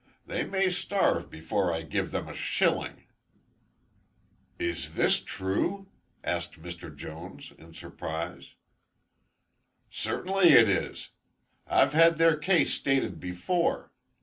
They may starve before I give them a shilling." "Is this true?" asked Mr. Jonas, in surprise. "Certainly it is. I've had their case stated before.